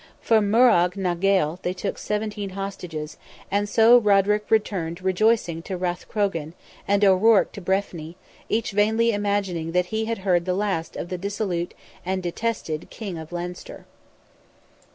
From Morrogh na Gael they took seventeen hostages, and so Roderick returned rejoicing to Rathcrogan, and O'Ruarc to Breffni, each vainly imagining that he had heard the last of the dissolute and detested King of Leinster.